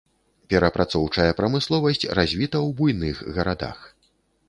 Перапрацоўчая прамысловасць развіта ў буйных гарадах.